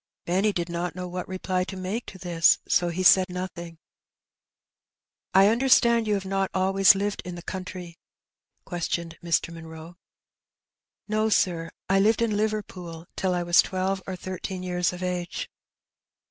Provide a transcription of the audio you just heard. Benny did not know what reply to make to this, so he said nothing. " I understand you have not always lived in the country?" questioned Mr. Munroe. "No, sir; I lived in Liverpool till I was twelve or thirteen years of age."